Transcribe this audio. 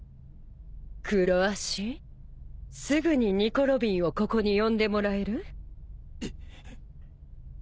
黒足すぐにニコ・ロビンをここに呼んでもらえる？